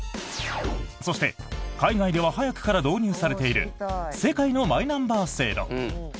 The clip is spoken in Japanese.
そして、海外では早くから導入されている世界のマイナンバー制度。